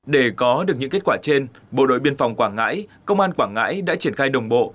để có được những kết quả trên bộ đội biên phòng quảng ngãi công an quảng ngãi đã triển khai đồng bộ